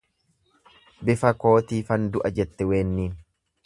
Bifa kootiifan du'a jette weenniin.